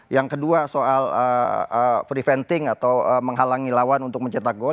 yang kedua soal preventing atau menghalangi lawan untuk mencetak gol